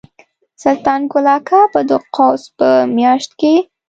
سلطان ګل اکا به د قوس په میاشت کې.